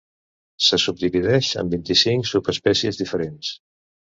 Se subdivideix en vint-i-cinc subespècies diferents.